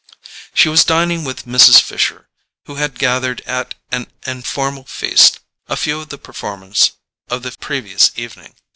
She was dining with Mrs. Fisher, who had gathered at an informal feast a few of the performers of the previous evening.